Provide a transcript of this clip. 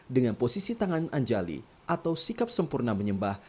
dengan posisi tangan anjali atau sikap sempurna menyembah